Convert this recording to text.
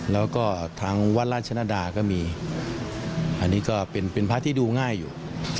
แล้วก็ทางวัดราชนดาก็มีอันนี้ก็เป็นพระที่ดูง่ายอยู่